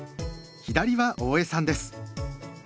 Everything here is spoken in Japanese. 左は大江さんです。